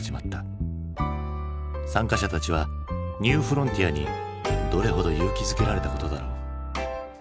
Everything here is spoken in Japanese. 参加者たちはニューフロンティアにどれほど勇気づけられたことだろう。